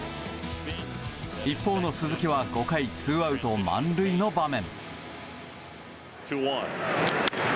一方の鈴木は５回ツーアウト満塁の場面。